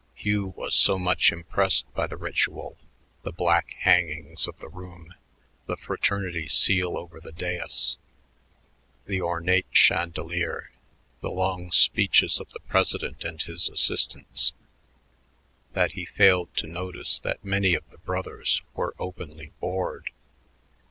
Hugh was so much impressed by the ritual, the black hangings of the room, the fraternity seal over the dais, the ornate chandelier, the long speeches of the president and his assistants, that he failed to notice that many of the brothers were openly bored.